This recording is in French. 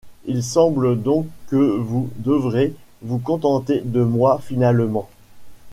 Il semble donc que vous devrez vous contenter de moi finalement ?